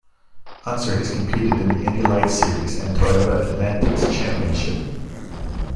Unser has competed in the Indy Lights series and Toyota Atlantics Championship.